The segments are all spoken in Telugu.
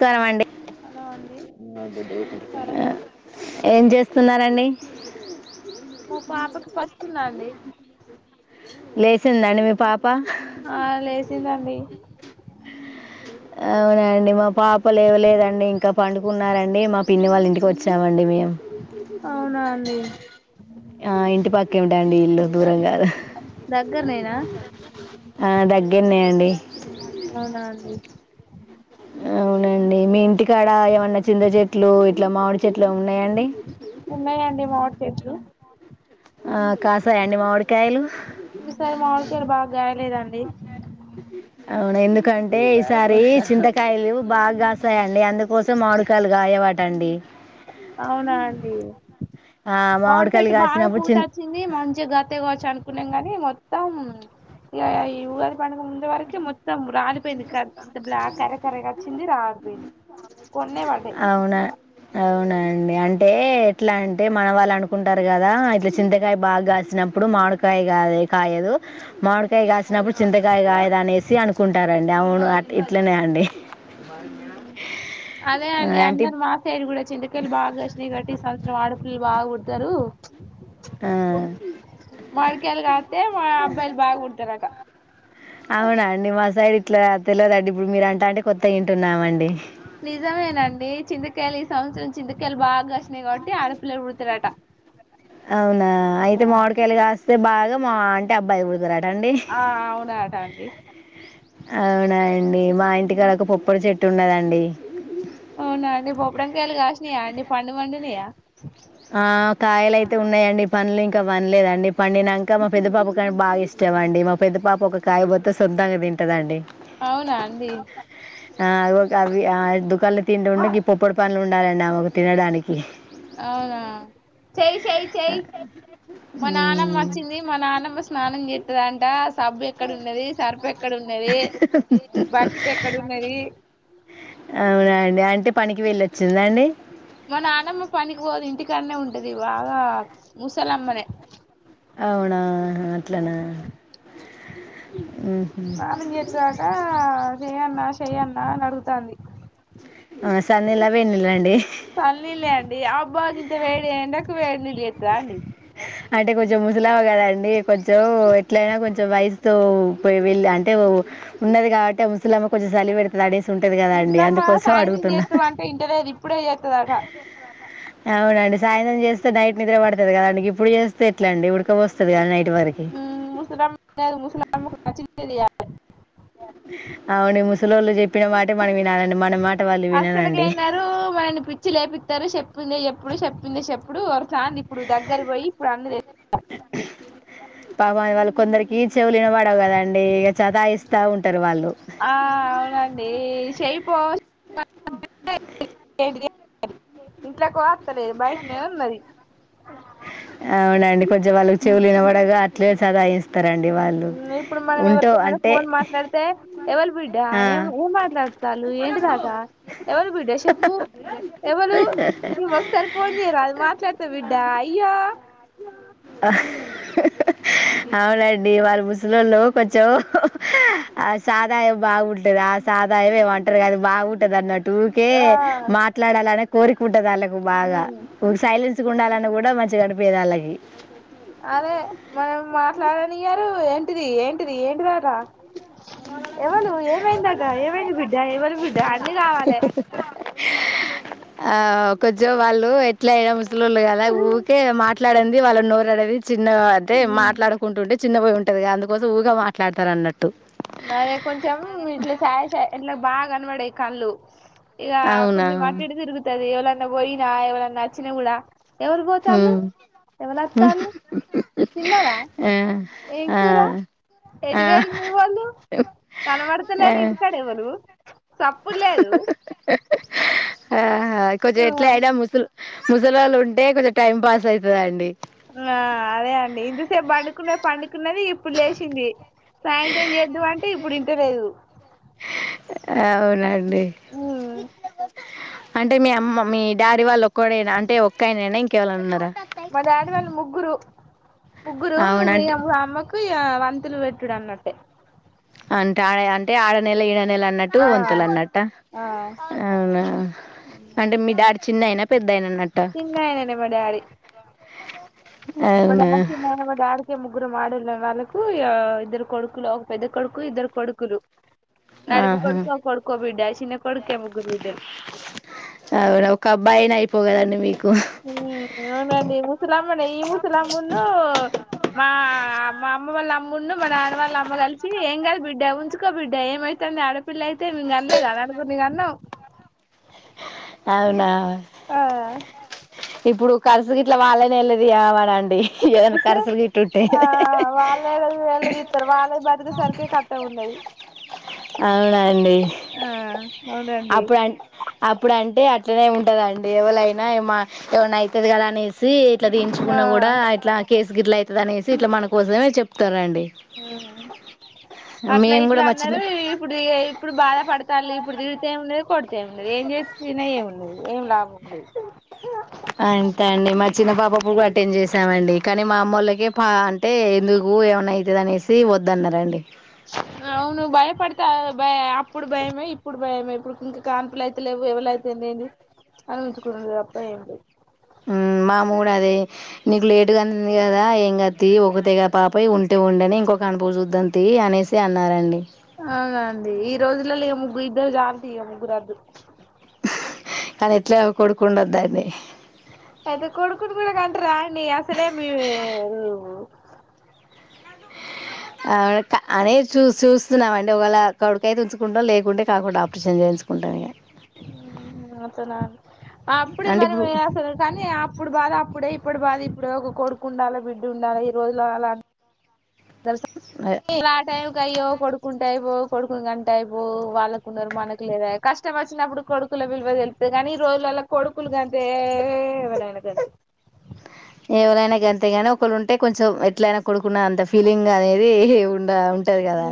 నమస్కారం అండి హలో అండి నమస్కారం ఏం చే స్తున్నారండి మా పాపకి పస్తుందా అండి లేసిందండి మీ పాప ఆ లేసిదండి అవునండి మా పాప లేదండి ఇంకా ఇంకా పండుకున్నారండి మా పిన్ని వాళ్ళ ఇంటికి వచ్చామండి మేము అవునా అండి ఆ ఇంటి పక్కేమిటండి ఇల్లు దూరం కాదు దగ్గరనేనా ఆ దగ్గర్నె అవునాండి అవునండి మీ ఇంటికాడ ఏమన్నా చింద చెట్లు ఇట్లా మామిడి చెట్లా ఉన్నాయండి ఉన్నాయండి మామిడి చెట్లు ఆ, కాసాయండి మామిడికాయలు ఈసారి మామిడి కాయలు బాగా కాయలేదండి అవునా ఎందుకంటే ఈసారి చింతకాయలు బాగాస్తాయండి అందుకోసం మామిడి కాయలు కాయవటండి అవునా అండి ఆ, మామిడి మామిడికాయలు చెట్టు బాగా కాసినప్పుడు చింత పూతోచింది మంచిగ గట్టిగ కోయచ్చు అనుకున్నాంగాని మొత్తం మొత్తం ఇ ఇగా పండు ముంద వరక మొత్తం రాలిపోయిందింత బ్లా కర్ర కర్రగా వచ్చింది రాలిపోయింది కొన్నే పడ్డాయి అవునా అండి అంటే ఎట్లా అంటే మన వాళ్ళు అనుకుంటారు కదా ఇట్లా చింతకాయ బాగాసినప్పుడు మామిడికాయ కాద కాయదు మామిడికాయ కాసినప్పుడు చింతకాయ కాయదు అనేసి అనుకుంటారండి అవును అట్లా ఇట్లనే అండి ఉహు అదే ఆ, అండి అంటే అందరు ఇప్- మా సైడ్ కూడా చిందుకెల్ళి బాగా వచ్చినయి గట్టిగ సంవత్సరం ఆడు పిల్లలు బాగా పుట్టారు ఆ మాడికాయలు కాస్తే మా అబ్బాయిలు బాగా పుడతారు అట అవునా అండి మా సైడ్ ఇట్లా తెలవదు అండి ఇప్పుడు మీరు అంటా ఉంటే కొత్తగా వింటున్నాము అండి నిజమేనండి చింతకాయలు ఈ సంవత్సరం చింతకాయలు బాగా కాసినాయి కాబట్టి ఆడపిల్లలు పు డతారు అట అవునా అయితే మాడికాయలు కాస్తే బాగా మా అంటే అబ్బాయి పుడతారు అట అండీ ఆ అవునాట అండి అవునాండి మా ఇంటికాడ ఒక కొబ్బరి చెట్టు ఉన్నదండీ అవునా అండి బొబ్డంకాయలు కాసినయా అండి పండు పండునీయా ఆ కాయలయితే ఉన్నాయండిపండ్లు ఇంకా పన్లేదండి. పండినంక మా పెద్ద పాప కాని బాగా ఇష్టం. ఏమొండి మా పెద్ద పాప ఒక కాయ కోత్తే శుద్ధంగా తింటదండి అవునా అండి ఆ! ఒక అవి ఆ దుకాణలు తిండింటే గి పొప్పుడి పండ్లు ఉండాలండి ఆమెకు తినడానికి అవునా చేయి చేయి చేయి మా నానమ్మ హ్మ్. వచ్చింది మా నానమ్మ స్నానం చేత్తదంట సబ్బు ఎక్కడు న్నది సర్ఫ్ ఎక్కడ ఉన్నది బకెట్ ఎక్కడ ఉన్నది అవునా అండి అంటే పనికి వెళ్ళొచ్చిందండి మ నానమ్మ పనికి పోదు ఇంటికాడనే ఉంటది బాగా ముసలమ్మనే అవునా అట్లనా హుహు. స్నానం చేత్తదట చేయాలనా చేయాల్నా అని అడుగుతంది ఆ సన్నీల్లా వేడినీళ్లండి సల్నీలే అండి అబ్బా గింత వేడి ఎండకు వేడినీలు చేస్తారా అండి అంటే కొంచెం ముసలామె కదండి కొంచెం ఎట్లయినా కొంచెం వయసుతో పో వెళ్ళి అంటే ఉన్నది కాబట్టి ముసల్మ కొంచెం సలి పెడతుది అడే ఉంటేది కదా అండి ముసలమ్మ అందుకోసం సాయంత్రం అడుగుతున్నా చేత్తం అంటే ఇంటలేదు ఇప్పుడే చేత్తదట అవునండి సాయ్రం చేస్తే నైట్ నిద్ర పడుతుంది కదండి ఇప్పుడు చేస్తే ఎట్ల అండి ఉడక పోస్తది సకదా నైట్ వరకి ఖచలి అవును ముసలోళ్ళు చెప్పి చెప్పిన మాట మనం వినాలండి మన మాట వాళ్ళు వినరాండి అస్సలకైనారు మనల్ని పిచ్చి లేపిత్తారు చెప్పిందే చెప్పుడు చెప్పిందే చెప్పుడు ఒకసారి ఇప్పుడు దగ్గర పోయి ఇప్పుడు అన్న తె పాప వాళ్ళు కొందరికి చెవులు వినపడవు కదండి ఇక సత్తా ఇస్తా ఉంటారు వాళ్ళకి ఆ అవునండి చేయిపో ఇంట్లాకి వస్తలేదు బయటనే ఉన్నది అవునండి కొంచెం వాళ్ళకి చెవులునవాడగా అట్లే సత్తాస్తారు సత్తాస్తారండి వాళ్ళు ఉమ్ ఇప్పుడు ఉంటో అంటే ఎవల్ బిడ్డా ఆ ఏం ఏం మాట్లాడుతాలు ఏంటి తాకా ఎవల్ బిడ్డ చెప్పు ఎవరు నువవు ఒకసారి ఫోన్ చేయరా మాట్లాడితే బిడ్డా అయ్యో ఆ అవునండి వాళ్ళ ముసలోళ్ళు కొంచెం ఆ సాదా బాగుంటది ఆ సదాయం ఏమంటారు కాది బాగుంటది అన్నట్టుకే ఉకే ఆ మాట్లాడాలని కోరిక ఉంటది ఆళ్ళకు బాగా ఉమ్ సైలెన్స్ ఉండాలని కూడా మంచిగా అనిపిదు ఆళ్ళకి అదే మనల్ని మాట్లాడానియారు ఏంటిది ఏంటిది ఏంటిద అట ఎవరు ఏమైందదా ఏమైంది బిడ్డ ఎవరు బిడ్డ అన్ని కావాలి ఆ కొంచె వాళ్ళు ఎట్ల అయినా ముసలోళ్లు కదా ఊరికే మాట్లా మాట్లాడండి వాళ్ళ నోరుడది చిన్న అదే ఉమ్ మాట్లాడుకుంటుంటే చిన్న పోయి ఉంటే టది అందుకోసం ఊగా మాట్లాడతారు అన్నట్టు అదే కొంచెం ఇట్లా చాయ ఇట్లా బాగా కనబడవి కళ్ళు ఇక అవునా కొంచెం అటూ ఇటు తిరుగతాది ఎవరన్నా పోయిన ఎవరేనా వచ్చిన కుడా ఎవరు పోతళ్ళు హ్మ్. ఎవరుతళ్ళు తిన్నారా ఆ ఆ ఏంకూరా ఆ ఎటుపోయినారు మీరు వాళ్ళు ఆ తలబడతలేరు ఇంటికాడ ఎవరు సప్పుడూ లేదు ఆహ కొంచెం ఎట్లా అయినా ముస ముసలి వాళ్ళు ఉంటే కొంచెం టైం పాస్ అవుతుందండి ఆ అదే అండి ఇంతసేపు పండుకున్నది పండుకున్నది ఇప్పుడు లేచింది సాయంత్రం చేద్దు అంటే ఇప్పుడు ఇంట లేదు స్ అవునండి ఉమ్ అంటే మీ అమ్మ మీ డాడీ వాళ్ళు ఒక్కడైనా అంటే ఒక్కేనైనా ఇంకెవైనా ఉన్నారా మా డాడీ వాళ్ళు ముగ్గురు ముగ్గురు అవునంటే అమ్మకు వంతులు పెట్టుడు అన్నట్టే అంటే ఆడ అంటే ఆడ నెల ఈడా నెలన్నట్టు ఆ వంతులు అన్నట్ట ఆ అవునా అంటే మీ డాడీ చిన్నయినా పెద్దయినా అన్నట్ట చిన్నయననే మా డాడీ మా అవునా డాడీ చిన్న మ డాడికి ముగ్గురు ముగ్గురం ఆడోళం వాళ్ళకు ఇద్దరు కొడుకులు ఒక పెద్ద కొడుకు ఇద్దరు కొడుకులు నడుపు ఆహా కొడుకో కొడుకో బిడ్డ చిన్న కొడుకే ముగ్గురు బిడ్డలు అవునా ఒక అబ్బాయి అయిపోగదండి మీకు ఉ అవునండి ముసలమ్మనే ఈ ముసలమ్మును మా మా అమ్మ వాళ్ళ అమ్ముండు మా నాన్న వాళ్ళ అమ్మ కలిసి ఏం కలి బిడ్డ ఉంచుకో బిడ్డ ఏమైతు అంది ఆడపిల అయితే అయితే నేను కానలేదా నలుగురిని కన్నావ్ స్ అవునా ఆ ఇప్పుడు ఖర్చు గిట్ల వాళ్ళనే వేలాదియామానండి ఆ వాళ్ళుళ వళ్ళదిస్తారు వాళ్ళ బతికే సరికిే శాఖగా ఉండది అవునండి అవునండి అప్పుడు అ అప్పుడు అంటే అట్లనే ఉంటదండి ఎవరైనా ఏమ ఎవన్నా అవుతది కదా అనేసి ఇట్లా ఆ దించుకున్న కూడా ఇట్లా కేసు గిట్ల అవుతుది అనేసి ఇట్లా మన కోసమే చెప్తారండి హ్మ్ అట్లా మేము కూడా ఇట్లా మా చిన్న అన్నారు ఇప్పుడు ఇప్పుడు బాధ పడతరూ ఇప్పుడు తిడితే కొడు ఏముడదు ఏం చేస్తిన ఏమిండదు ఏం లాభం ఉండదు ఆ అంతే అండి మా చిన్న పాపప్పుకు కూడా అటెంనే చేసామండి కానీ మా అమ్మళ్ళకి పా అంటే ఎందుకు ఏమన్నావుతుందినేసి వద్దన్నారండి అవును భయపడు భ అప్పుడు భయమే ఇప్పుడు భయమే ఇప్పుడు ఇంకా కాన్పులు అయితే లేవు ఎవలైతే లేంది అని ఉంచుకునుడూ తప్ప ఏం లేదు ఆ మామ్మ అదే నీకు లేటుగానింది కదా ఏం కాదు థీ ఒకటే పాప ఉంటే ఉండని ఇంకొ కణుపు చూద్దం తీ అనేసి అన్నారండి అవున అండి ఈ రోజులలో ఏ ముగ్గు ఇద్దరు చళ్ళు ముగ్గురద్దు అదే ఎట్లా కొడుకు ఉండదు దాన్ని అయితే కొడుకుని కూడా కంటరా అండి అసలే మీ ఆ అదే చూస్తున్నాం అండి ఒకవేళ కడుకాయితే ఉంచుకుంటాం లేకుంటే కాకుండా ఆపరేషన్ చేయ చూసుకుంటాం ఇగ అట్లానా అప్పుడే అంటే ఇప్పుడు మనం కానీ అప్పుడు బాధ అప్పుడే ఇప్పుడు బాధ ఇప్పుడు ఒక కొడుకు ఉండాలి బిడ్డ ఉండాలి ఈ రోజులు అలా ఆ టైంకి అయ్యో కొడుకుంటే అయిపోవు కొడుకుని కంటయిపో వాళ్ళ కొందరు మనకు లేరుఅయే కష్టం వచ్చినప్పుడు కొడుకుల విలువ తెళ్తే కానీ ఈ రోజులలో కొడుకులు కంటే ఎవలైనా తే ఎవలైనా గంతే నీ ఒకళ్ళు ఉంటే కొంచెం ఎట్లయినా కొడుకున్న అంత ఫీలింగ్ అనేది ఉండా ఉంటది కదా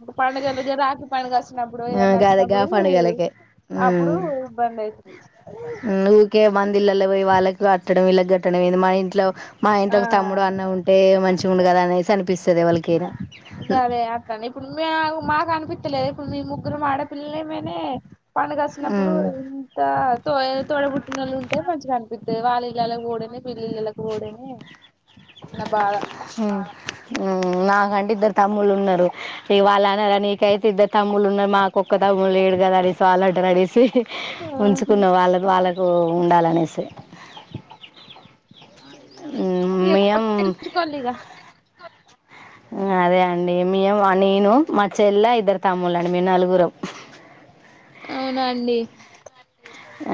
ప్పు పండగ రాత్ర పగాస్త వచ్చినప్పుడు ఆ ఏదన్నా గదే గా నచ్చినప్పుడు పండుగలకే అప్పుడు ఇబ్బంది అవుతుంది నువఊకే బంది ఇల్ల పోయి వాళ్ళకు కట్టడం ఇల్లా కట్టడం మా ఇంట్లో మా ఆ ఇంట్లో ఒక తమ్ముడు అన్న ఉంటే మంచి ఉండడు కదా అనేసి అనిపిస్తుంది వాళ్ళకైనా అదే అతను ఇప్పుడు మ మాకు అనిపించలేదు ఇప్పుడు మీ ముగ్గురు మా ఆడపిల్లని మేనే పండుగ వస్తుినప్పుడు మ్మ్ ఇంత తో తోడబుట్టినళ్ళు ఉంటే మంచిగా కనిపిస్తుంది వాగాలే వోడేనే పిల్లిలకు కూడానే నా బాగా నాకంటే ఇద్దరు తమ్ముళ్లు ఉన్నారు ఇ వాళ్ళ అనార నీకైతే ఇద్దరు తమ్ములు ఉన్నారు మాకు ఒక్క తము లేడు కద అడిసి వాళ్ళడ అడిసి ఉంచుకున్న వాళ్ళ వాళ్ళకు ఉండాలినేసి ఇక కొ మేం ఉంచుకోవాలిగ అదే అండి మేము నేను మా చెల్ల ఇద్దరు తమ్ముళ్ళ అండి మీ నలుగురు అవునాండి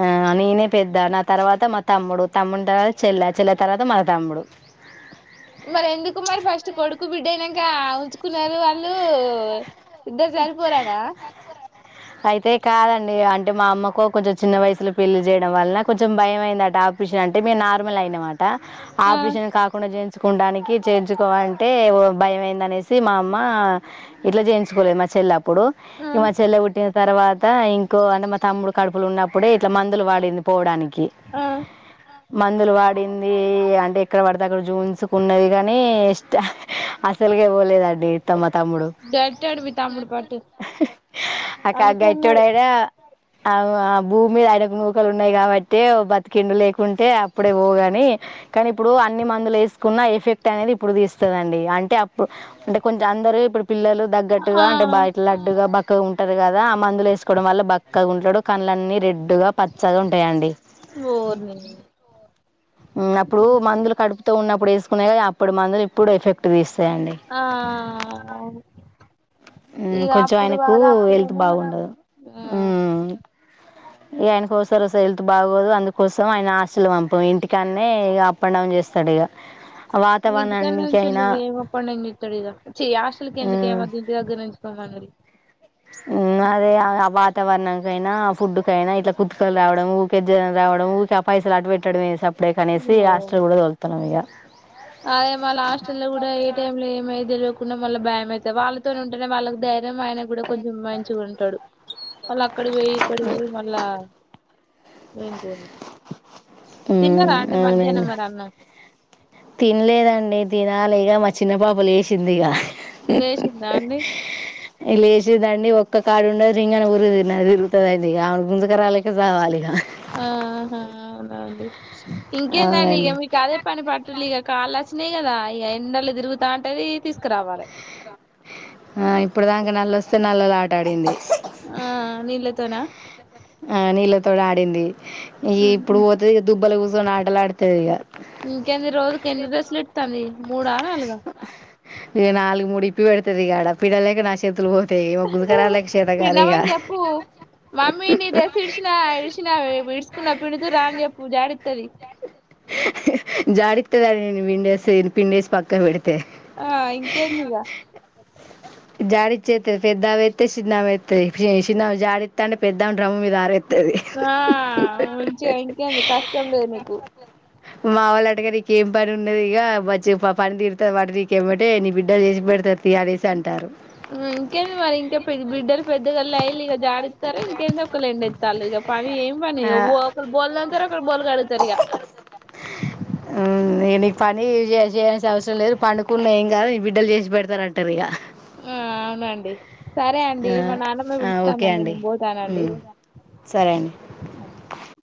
ఆ నేనే పెద్ద నా తర్వాత మా తమ్ముడు తమ్ముడి తర్వాత చెల్లె చెల్ల తర్వాత మా తమ్ముడు మరి ఎందుకు మరి ఫస్ట్ కొడుకు బిడ్డ అనాక ఉంచుకున్నారు వాళ్ళు ఇద్ద సరిపోరానా అ అయితే కాదండి అంటే మా అమ్మకు కొంచెం చిన్న వయసులో పెళ్లి చేయడం వలన కొంచెం భయంమైందట ఆపించిన అ నార్ల్ ఆ అం చేుకుడానికి చేర్ంచుకోవాలంటే భయ అయిందనేసి మా అమ్మ ఇట్లా చేయించు మచ్చెలా అప్పుడు ఆ ఈ మచెల్ ఉుట్టి తర్వాత ఇంకో అంటే మా తమ్ముడు కడుపులు ఉన్నప్పుడే ఇట్లా మందులు వాడింది పోవడానికి ఉమ్ మందులు వాడింది అంటే ఎక్కడ పడితే అక్కడ జూన్స్కున్నది కాని అసలు అబ్బో లేదు అండి తమ తమ్ముడు గట్టాడు మీ తమ్ముడు పట్టు అక్క అందుకే అన్నాడు గట్డయినా ఆ ఆ భూమి మీద ఆయనకు నూకలు ఉన్నాయి కాబట్టి బతికిం లేకుంటే అప్పుడే పోగాని కానీ ఇప్పుడు అన్ని మందులు వేసుకున్న ఎఫెక్ట్ అనేది ఇప్పుడు తీస్తుందిండి అంటే అప్పుడు అంటే కొంచెం అందరుూ ఇప్పుడు పిల్లలు ఆ తగ్గట్టుగాంటే బా ఇ లడ్డుగా బక్కగా ఉంట ట్టారు కదా ఆ మందులు వేసుకోవడం వల్ల బక్కగా ఉంటాడు కళ్లన్నీ రెడ్డుగా పచ్చగా ఉంటాయండి ఓరీనీ అప్పుడు మందులు కడుపుత ఉన్నప్పుడు వేసుకునే అప్పుడు మందులు ఇప్పుడు ఎఫెక్ట్ తీస్తారు ఆ ఇగ కొంచెం అప్పుడు ఆయనకు బాధ వెల్త్ అప్పుడేనే బాగుండదు ఆ ఇ ఆయన కోస ర హెల్త్ బాగోదు అందుకోసం ఆయన ఆస్టలు పంపం ఇంటికానేక అప్ అండ్ డౌన్ చేస్తాడు ఇగ ఇ దకా చల్ ఇ ఏమప్పం నిడు ఇదచ్చ హస్ల్ క ఎందకు ఏమ ద ఇ దగ్గర నుంచిుకోమనడి అదే ఆ వాతావరణంకైనా ఆ ఫుడ్ కైనా ఇట్లా కుతుకలు రావడం ఊకేజ రా వ పైసలు అటు పెట్టడం వే అప్పుడే కనేసి ఓ హాస్టల్ కూడా వొలుతాం ఇక అదే వాళ్ళ హాస్ట లో కూడా ఏ టైమ్ లో ఏమైద్యలు కు మళ్ల భయం అవుత వాళ్ళతోనే ఉంటేనే వాళ్ళకి ధైర్యం ఆయన కూడా కొంచెం మంచిగా ఉంటాడు వాళ్ళ అక్కడ పోయి ఇక్కడ పోయి మళ్ళా ఏంకోదు తిన్నారా అండి మధ్యాహ్నం అవునండి మర అన్నం తినలేదండి తినాలి ఇక మా చిన్న పాప లేచింది ఇక లేషిందా అండి లేచిందండి ఒక్క కాడ ఉండదు ఇం ఉరు తిరుతుందింది ఇక గుంజుకరాలెక చావలి ఇగ ఆహా అవునండి ఇంకేందండి ఇగ అవునండి మీకు అదే పని పట్టు లిగ కాళ్ళ వచ్చినాయి కదా ఈ ఎండలు తిరుగుతా ఉంటది తీస్కురావాలె ఆ ఇప్పుడు దాక నల్లొస్తే నల్లల ఆట ఆడింది ఆ నీళ్ళ తోనా ఆ నీళ్ళతోడి ఆడింది ఇ ఇప్పుడు ఉహు. పోతది ఇ దుబ్బలు కూర్చొని ఆటలు ఆడుతది ఇగ ఇంకేంది రోజుకి ఎన్ని డ్రెస్లు ఇడ్తంది మూడ నాలుగ ప్పి పెడతది ఇగాడ పిడలేక నా చేతులు పోత్ పిండమని చెప్పు మమ్మీ నీ డ్రెస్ ఇడిచిన విషిన ఈదుసుకున్న పిండుదుర అని చెప్పు జాడితది జాడిత్తద నేను విండేసి పిండేస్ పక్క వెడి ఆ ఇంకేందిగ జాడిచ్చే తది పెద్దవాయితే చిన్నమయితది షిన్న జాడితా పెద్దామె డ్రమ్ మీద ఆరే ఆ మంచిగా ఇంకేంది కష్టం లేదు నీకు మా వాళ్ళ అటగరికి ఏం పని ఉన్నది ఇగ వచ్చి పన్ దీరుతది వండ నీకేమటే నీ బిడ్డలు చేసి పె తర్ తీయ్యలేసి అంటారు ఇంకేంది మరి ఇంకా బిడ్డలు పెద్దగాళ్ళ అయి ఇగ జాడిత్తారు ఇంకేంది ఒక ఎండ్ తాలుగా పవి ఏ పనిగి ఆ బో ఒకల్ బోల్ అంటరు ఇకడ బోల్ కడుతారు ఇగ ఇగ నీకు పని జే జేయాల్సిన అవసరం లేదు పండుకున్న ఏం కాదు బిడ్డలు జేసి పెడతారంటారు ఇగ హ్మ్ అవునండి సరే అండి ఆ మా నాన్నమ్మ ఆ పిలుస్తా ఓకే దండి అండి నేను పోతానండి ఉమ్ సరే అండి